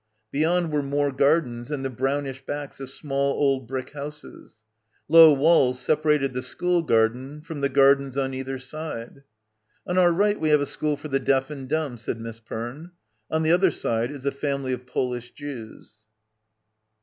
Beyond were more gardens and the brownish backs of small old brick houses. Low walls separated the school garden from the gardens on either side. "On our right we have a school for the deaf and dumb," said Miss Perne; "on the other side is a family of Polish Jews."